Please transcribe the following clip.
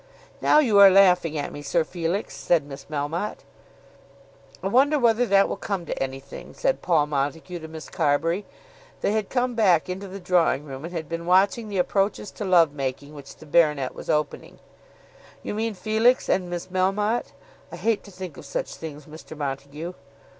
"Now you are laughing at me, Sir Felix," said Miss Melmotte. "I wonder whether that will come to anything?" said Paul Montague to Miss Carbury. They had come back into the drawing room, and had been watching the approaches to love making which the baronet was opening. "You mean Felix and Miss Melmotte. I hate to think of such things, Mr. Montague."